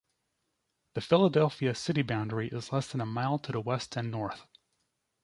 The Philadelphia city boundary is less than a mile to the west and north.